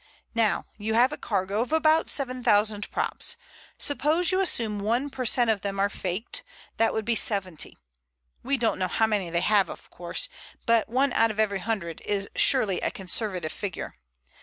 "Now you have a cargo of about seven thousand props. Suppose you assume one per cent of them are faked, that would be seventy. We don't know how many they have, of course, but one out of every hundred is surely a conservative figure.